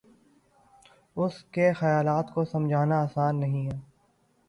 اس کے خیالات کو سمجھنا آسان نہیں ہے